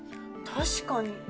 確かに。